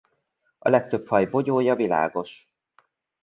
A legtöbb faj bogyója világos.